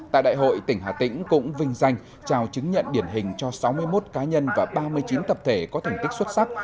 tại đại hội tỉnh hà tĩnh cũng vinh danh trao chứng nhận điển hình cho sáu mươi một cá nhân và ba mươi chín tập thể có thành tích xuất sắc